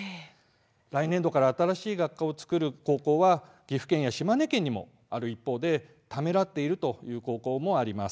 来年度から新学科を作る高校は岐阜県や島根県にもある一方ためらっている高校もあります。